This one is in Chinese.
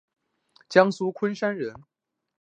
江苏昆山人。